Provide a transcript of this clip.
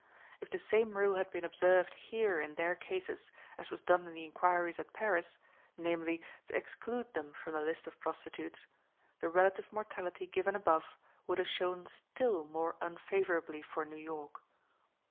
If the same rule had been observed here in their cases as was done in the inquiries at Paris, namely, to exclude them from the list of prostitutes, the relative mortality given above would have shown still more unfavorably for New York.